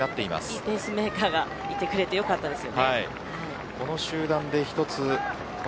いいペースメーカーがいて良かったです。